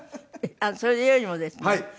それよりもですね